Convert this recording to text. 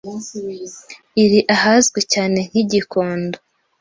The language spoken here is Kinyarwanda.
iri ahazwi cyane nk'i Gikondo